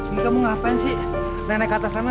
ini kamu ngapain sih naik naik ke atas sana